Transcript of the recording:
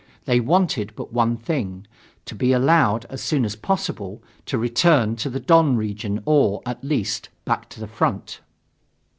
They wanted but one thing: to be allowed as soon as possible to return to the Don region or, at least, back to the front.